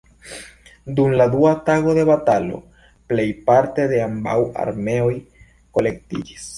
Dum la dua tago de batalo, plejparte de ambaŭ armeoj kolektiĝis.